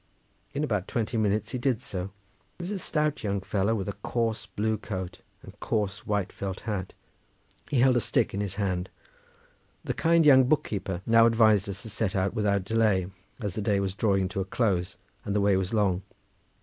In about twenty minutes he did so. He was a stout young fellow with a coarse blue coat, and coarse white felt hat; he held a stick in his hand. The kind young book keeper now advised us to set out without delay as the day was drawing to a close, and the way was long.